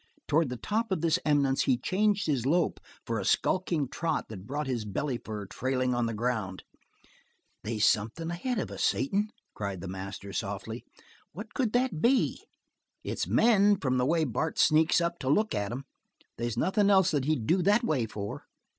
Toward the top of this eminence he changed his lope for a skulking trot that brought his belly fur trailing on the ground. "They's somethin' ahead of us, Satan!" cried the master softly. "What could that be? It's men, by the way Bart sneaks up to look at 'em. They's nothin' else that he'd do that way for.